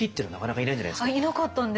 いなかったんです。